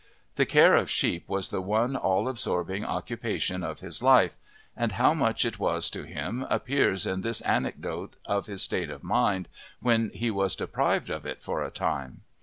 The care of sheep was the one all absorbing occupation of his life, and how much it was to him appears in this anecdote of his state of mind when he was deprived of it for a time.